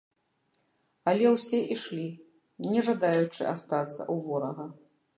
Але ўсе ішлі, не жадаючы астацца ў ворага.